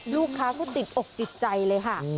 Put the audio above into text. ลูกค้าก็ติดอกติดใจเลยค่ะ